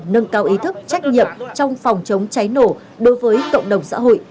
nâng cao ý thức trách nhiệm trong phòng chống cháy nổ đối với cộng đồng xã hội